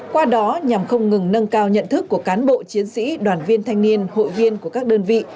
qua đó nhằm không ngừng nâng cao nhận thức của cán bộ chiến sĩ đoàn viên thanh niên hội viên của các đơn vị